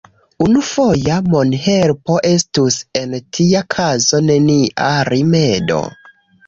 Unufoja monhelpo estus en tia kazo nenia rimedo.